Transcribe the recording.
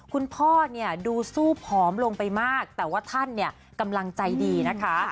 คุณพ่อดูสู้ผอมลงไปมากแต่ว่าท่านกำลังใจดีนะคะ